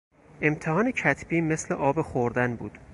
امتحان کتبی مثل آب خوردن بود.